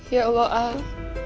ya allah al